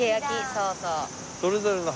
そうそう。